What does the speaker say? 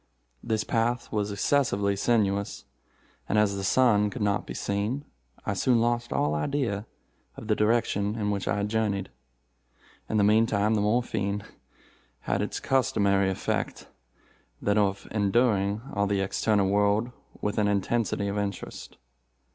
This path was excessively sinuous, and as the sun could not be seen, I soon lost all idea of the direction in which I journeyed. In the meantime the morphine had its customary effect—that of enduing all the external world with an intensity of interest.